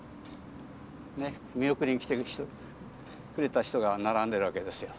見送りに来てくれた人が並んでるわけですよ。